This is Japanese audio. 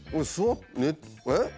えっ？